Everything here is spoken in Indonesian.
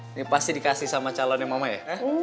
ini pasti dikasih sama calonnya mama ya